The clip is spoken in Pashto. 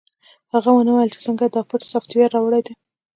هغه ونه ویل چې څنګه یې دا پټ سافټویر راوړی دی